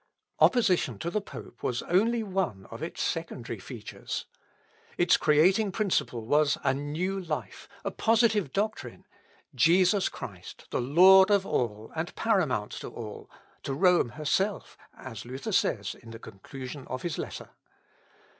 Opposition to the pope was only one of its secondary features. Its creating principle was a new life, a positive doctrine "Jesus Christ, the Lord of all and paramount to all to Rome herself," as Luther says in the conclusion of his letter.